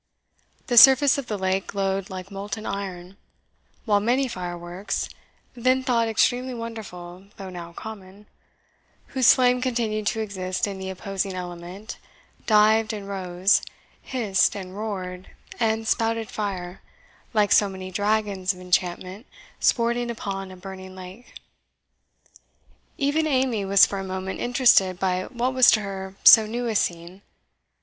The surface of the lake glowed like molten iron, while many fireworks (then thought extremely wonderful, though now common), whose flame continued to exist in the opposing element, dived and rose, hissed and roared, and spouted fire, like so many dragons of enchantment sporting upon a burning lake. Even Amy was for a moment interested by what was to her so new a scene.